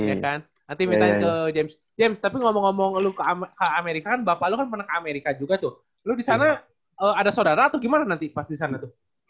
nanti minta ke james tapi ngomong ngomong lu ke amerika kan bapak lo kan pernah ke amerika juga tuh lo di sana ada saudara atau gimana nanti pas di sana tuh